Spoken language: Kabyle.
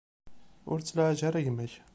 Ur ttlaɛaj ara gma-k.